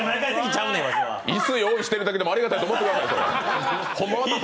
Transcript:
椅子用意してるだけでもありがたいと思ってください。